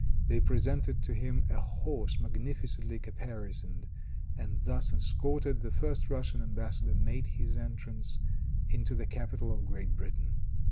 They presented to him a horse magnificently caparisoned, and thus escorted, the first Russian embassador made his entrance into the capital of Great Britain.